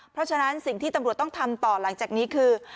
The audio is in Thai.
เพราะฉะนั้นสิ่งที่ตำรวจต้องทำต่อหลังจากนี้คือ